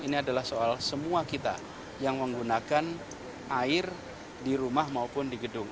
ini adalah soal semua kita yang menggunakan air di rumah maupun di gedung